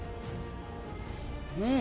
「うん！」